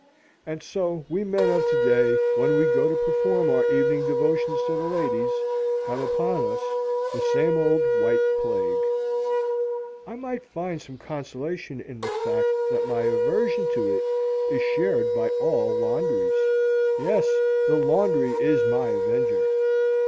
And so we men of today when we go to perform our evening devotions to the ladies have upon us the same old white plague. I might find some consolation in the fact that my aversion to it is shared by all laundries. Yes, the laundry is my avenger.